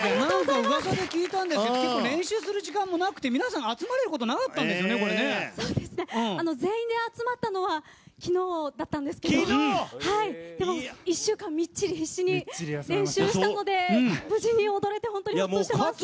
ウワサで聞いたんですけど練習する時間もなくて皆さん集まれること全員で集まったのは昨日だったんですけどでも１週間みっちり必死に練習したので無事に踊れて安心してます。